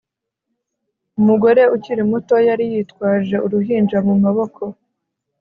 Umugore ukiri muto yari yitwaje uruhinja mu maboko